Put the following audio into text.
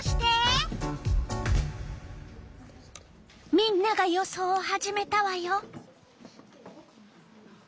みんなが予想を始めたわよ！